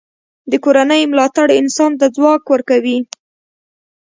د کورنۍ ملاتړ انسان ته ځواک ورکوي.